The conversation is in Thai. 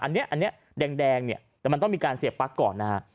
อันนี้แดงเนี่ยแต่มันต้องมีการเสียบปลั๊กก่อนนะฮะ